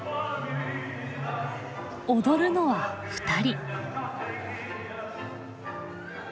踊るのは２人。